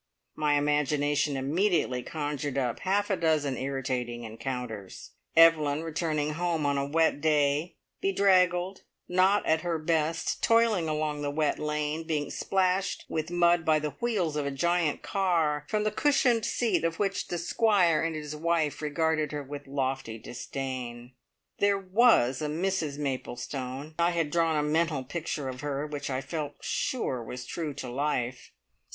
My imagination immediately conjured up half a dozen irritating encounters. Evelyn returning home on a wet day, bedraggled, not at her best, toiling along the wet lane, and being splashed with mud by the wheels of a giant car, from the cushioned seat of which the Squire and his wife regarded her with lofty disdain. There was a Mrs Maplestone, and I had drawn a mental picture of her, which I felt sure was true to life.